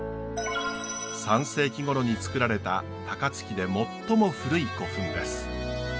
３世紀ごろに造られた高槻で最も古い古墳です。